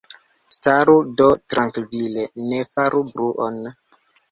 Staru do trankvile, ne faru bruon!